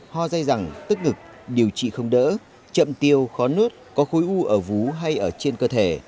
ho dây dẳng tức ngực điều trị không đỡ chậm tiêu khó nuốt có khối u ở vú hay ở trên cơ thể